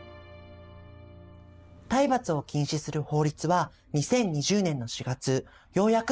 体罰を禁止する法律は２０２０年の４月ようやく施行されました。